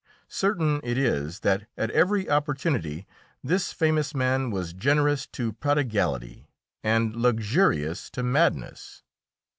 Certain it is that at every opportunity this famous man was generous to prodigality and luxurious to madness.